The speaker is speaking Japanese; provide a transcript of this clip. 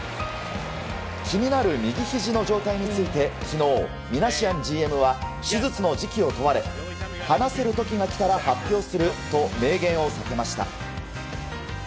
気になる右ひじの状態について昨日ミナシアンＧＭは手術の時期を問われ話せる時が来たら発表すると明言を避けました。